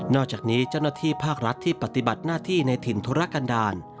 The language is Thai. อกจากนี้เจ้าหน้าที่ภาครัฐที่ปฏิบัติหน้าที่ในถิ่นธุรกันดาล